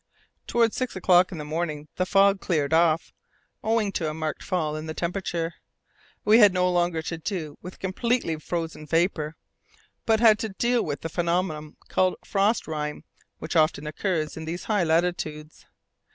Towards six o'clock in the morning the fog cleared off, owing to a marked fall in the temperature. We had no longer to do with completely frozen vapour, but had to deal with the phenomenon called frost rime, which often occurs in these high latitudes.